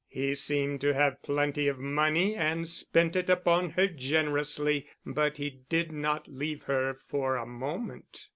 He seemed to have plenty of money and spent it upon her generously, but he did not leave her for a moment.